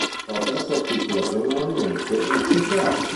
L'opera si articola generalmente in cinque atti.